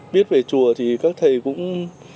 viết về chùa thì các thầy cũng